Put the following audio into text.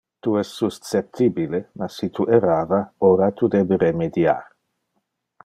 Tu es susceptibile, ma si tu errava, ora tu debe remediar.